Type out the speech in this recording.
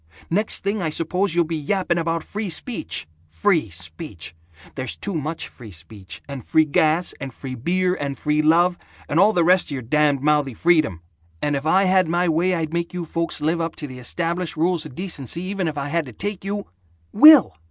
Next thing, I suppose you'll be yapping about free speech. Free speech! There's too much free speech and free gas and free beer and free love and all the rest of your damned mouthy freedom, and if I had my way I'd make you folks live up to the established rules of decency even if I had to take you " "Will!"